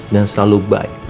dan selalu baik